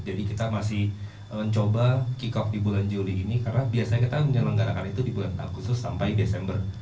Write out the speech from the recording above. jadi kita masih mencoba kick off di bulan juli ini karena biasanya kita menyelenggarakan itu di bulan agustus sampai desember